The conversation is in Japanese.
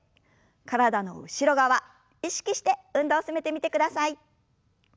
体の後ろ側意識して運動を進めてみてください。